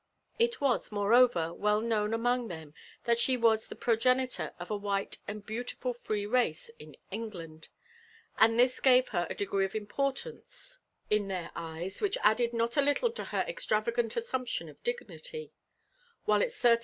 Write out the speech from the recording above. It was, moreover, well known among Ihem that she was the progenitor of a while and beautiful free race in England ; and this gave her a degree of importance in their 11 Iff LIFB AND ADVENTURES OP tfyes whieh added not a iiUle to her extravagant assumption of dignity, while it oertain!